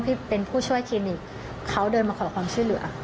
ที่เป็นผู้ช่วยคลินิกเขาเดินมาขอความช่วยเหลือ